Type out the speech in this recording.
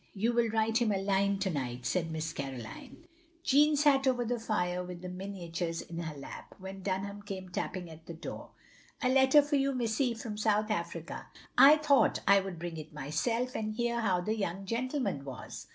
"You will write him a line to night," said Miss Caroline. Jeanne sat over the fire, with the miniatures in her lap, when Dunham came tapping at the door. "A letter for you, missy, from South Africa. I though I would bring it myself, and hear how the young gentleman was."